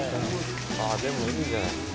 あぁでもいいじゃないですか。